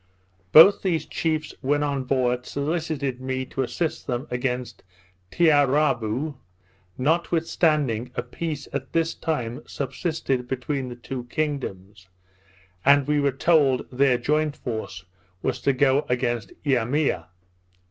Both these chiefs when on board solicited me to assist them against Tiarabou, notwithstanding a peace at this time subsisted between the two kingdoms, and we were told their joint force was to go against Eimea.